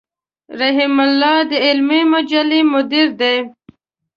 رحيم الله د علمي مجلې مدير دی.